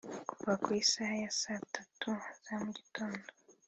Kuva ku isaha ya saa tatu za mu gitondo